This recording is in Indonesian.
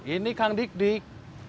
ini kang dikdik